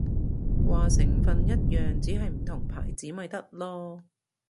話成分一樣，只係唔同牌子咪得囉